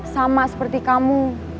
sama seperti kamu